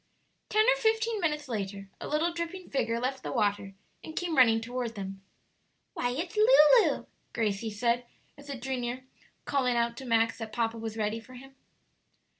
Ten or fifteen minutes later a little dripping figure left the water, and came running toward them. "Why, it's Lulu," Gracie said, as it drew near, calling out to Max that papa was ready for him.